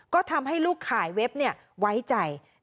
ก็ทำให้ลูกขายเว็บไว้ใจ